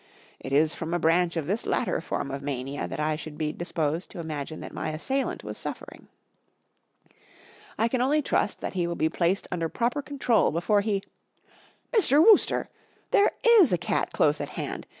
It is from a branch, of this latter form of'mania that I should be dis¬ posed to imagine that my assailant was suffering. I can only trust that he will be placed under proper control before he Mr. Wooster, there is a cat close at hand !